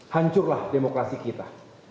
hancurlah demokrasi kita